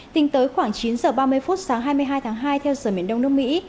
tính tới khoảng chín giờ ba mươi phút sáng hai mươi hai tháng hai theo giờ miền đông nước mỹ